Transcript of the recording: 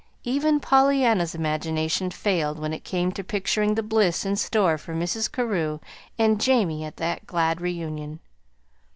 Even Pollyanna's imagination failed when it came to picturing the bliss in store for Mrs. Carew and Jamie at that glad reunion.